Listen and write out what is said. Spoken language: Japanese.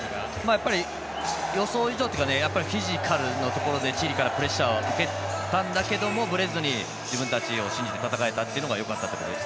やはり、予想以上というかフィジカルのところでチリからプレッシャーを受けたんだけれどもぶれずに自分たちを信じて戦えたというのがよかったと思います。